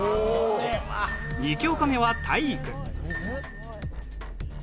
２教科目は体育。